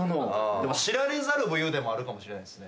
でも知られざる武勇伝もあるかもしれないですね。